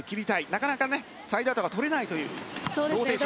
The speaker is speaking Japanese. なかなかサイドアウトがとれないというローテーションですが。